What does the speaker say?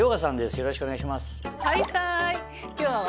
よろしくお願いします。